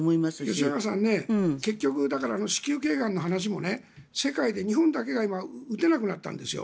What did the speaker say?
吉永さん、結局子宮頸がんの話も世界で日本だけが今、打てなくなったんですよ。